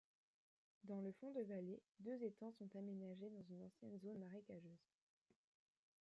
Dans le fond de vallée, deux étangs sont aménagés dans une ancienne zone marécageuse.